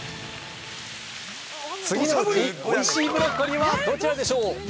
次のうち、おいしいブロッコリーはどちらでしょう？